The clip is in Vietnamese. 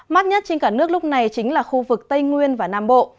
mát nhất trên cả nước lúc này chính là khu vực tây nguyên và nam bộ